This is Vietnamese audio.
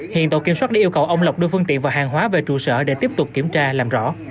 hiện tổ kiểm soát đã yêu cầu ông lộc đưa phương tiện và hàng hóa về trụ sở để tiếp tục kiểm tra làm rõ